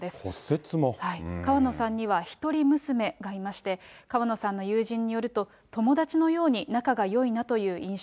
川野さんには一人娘がいまして、川野さんの友人によると、友達のように仲がよいなという印象。